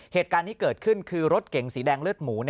เหตุการณ์ที่เกิดขึ้นคือรถเก๋งสีแดงเลือดหมู